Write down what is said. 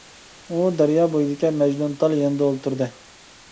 ئۇ دەريا بويىدىكى مەجنۇنتال يېنىدا ئولتۇردى.